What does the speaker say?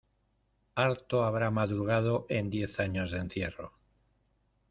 Harto habrá madrugado en diez años de encierro.